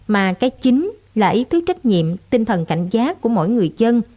mà cái chính là ý thức trách nhiệm tinh thần cảnh giác của mỗi người dân